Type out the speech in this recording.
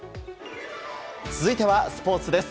続いてはスポーツです。